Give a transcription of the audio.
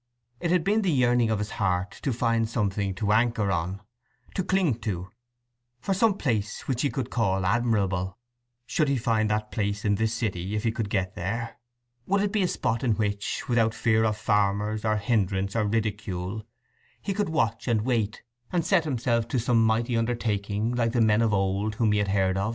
It had been the yearning of his heart to find something to anchor on, to cling to—for some place which he could call admirable. Should he find that place in this city if he could get there? Would it be a spot in which, without fear of farmers, or hindrance, or ridicule, he could watch and wait, and set himself to some mighty undertaking like the men of old of whom he had heard?